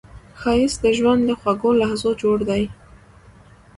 ښایست د ژوند له خوږو لحظو جوړ دی